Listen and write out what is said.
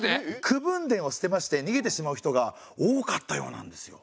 口分田を捨てまして逃げてしまう人が多かったようなんですよ。